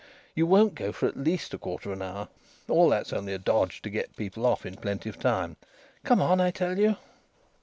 "You won't go for at least a quarter of an hour. All that's only a dodge to get people off in plenty of time. Come on, I tell you."